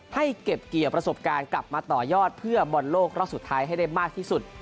ให้เก็บเกี่ยวประสบการณ์กลับมาต่อยอดเพื่อบอลโลกรอบสุดท้ายให้ได้มากที่สุด